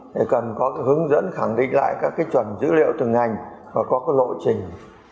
thì cần có cái hướng dẫn khẳng định lại các cái chuẩn dữ liệu từng ngành và có cái lộ trình